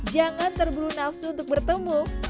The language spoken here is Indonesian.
jangan terburu nafsu untuk bertemu